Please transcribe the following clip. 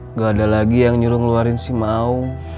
nggak ada lagi yang nyuruh ngeluarin sih mau